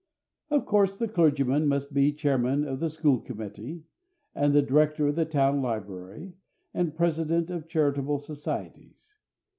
Of course the clergyman must be chairman of the school committee, and a director of the town library, and president of charitable societies.